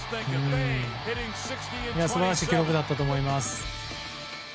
素晴らしい記録だったと思います。